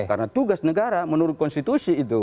karena tugas negara menurut konstitusi itu